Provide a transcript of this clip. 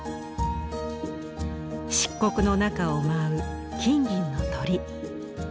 漆黒の中を舞う金銀の鳥。